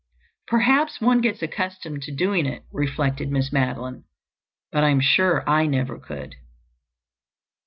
"Perhaps one gets accustomed to doing it," reflected Miss Madeline. "But I am sure I never could."